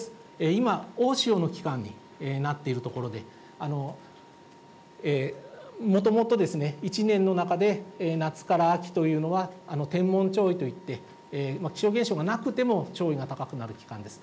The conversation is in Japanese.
今、大潮の期間になっているところで、もともとですね、１年の中で夏から秋というのは、天文潮位といって、気象現象がなくても潮位が高くなる期間です。